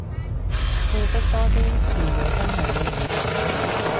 知識多啲，視野真係會唔同